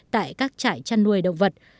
tại các trại chăn nuôi động vật